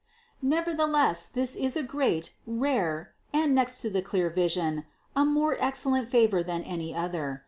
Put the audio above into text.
632. Nevertheless this is a great, rare and, next to the clear vision, a more excellent favor than any other.